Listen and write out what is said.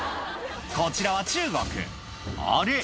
こちらは中国あれ？